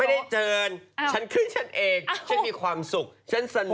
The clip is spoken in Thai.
ได้เจินฉันขึ้นฉันเองฉันมีความสุขฉันสนุก